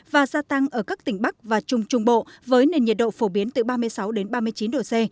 và gia tăng ở các tỉnh bắc và trung trung bộ với nền nhiệt độ phổ biến từ ba mươi sáu ba mươi chín độ c